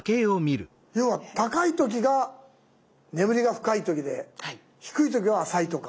要は高い時が眠りが深い時で低い時は浅いとか。